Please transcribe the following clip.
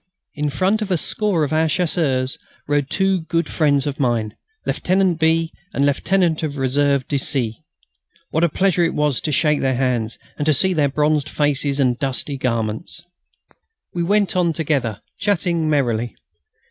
In front of a score of our Chasseurs rode two good friends of mine, Lieutenant B. and Lieutenant of Reserve de C. What a pleasure it was to shake their hands, and to see their bronzed faces and dusty garments. We now went on together, chatting merrily.